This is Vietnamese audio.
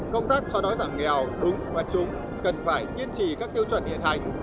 công tác xóa đói giảm nghèo đúng và chúng cần phải kiên trì các tiêu chuẩn hiện hành